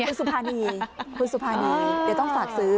คุณสุภานีเดี๋ยวต้องฝากซื้อ